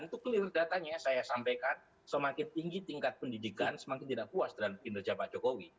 itu clear datanya saya sampaikan semakin tinggi tingkat pendidikan semakin tidak puas terhadap kinerja pak jokowi